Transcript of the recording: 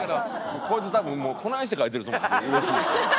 こいつ多分もうこないして書いてると思うんですよ。